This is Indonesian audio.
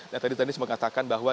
dan tadi dhani cuma mengatakan bahwa